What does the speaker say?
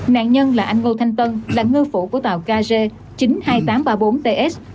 nạn nhân là anh ngô thanh tân là ngư phủ của tàu kg chín mươi hai nghìn tám trăm ba mươi bốn ts